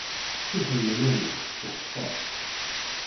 Fiḥel ma nnan-as, yeḥṣa.